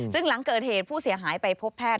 ซึ่งหลังเกิดเหตุผู้เสียหายไปพบแพทย์